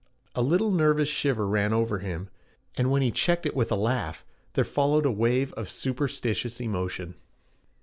A little nervous shiver ran over him, and when he checked it with a laugh there followed a wave of superstitious emotion.